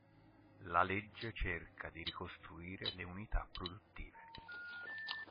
La legge cerca di ricostruire le unità produttive.